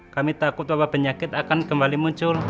kami takut bahwa penyakit akan kembali muncul